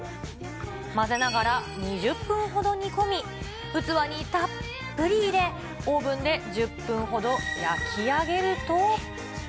混ぜながら２０分ほど煮込み、器にたっぷり入れ、オーブンで１０分ほど焼き上げると。